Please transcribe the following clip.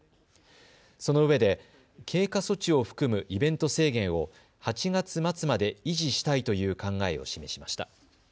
そのうえで経過措置を含むイベント制限を８月末まで維持したいという考えを示しました。